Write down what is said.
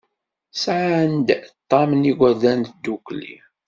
Sɛan-d tam n yigerdan ddukkli.